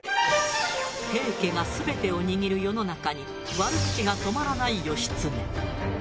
平家が全てを握る世の中に悪口が止まらない義経。